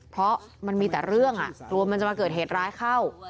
เพราะมันมีแต่เรื่องกลัวมันจะมาเกิดเหตุร้ายเข้า